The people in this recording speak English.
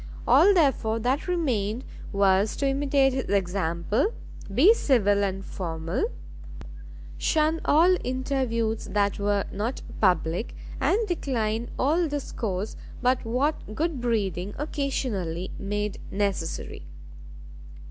All therefore that remained was to imitate his example, be civil and formal, shun all interviews that were not public, and decline all discourse but what good breeding occasionally made necessary.